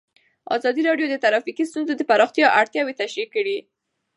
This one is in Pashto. ازادي راډیو د ټرافیکي ستونزې د پراختیا اړتیاوې تشریح کړي.